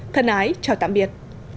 thân ái chào tạm biệt